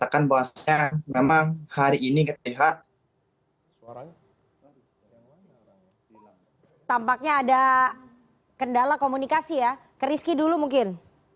ke rizki dulu mungkin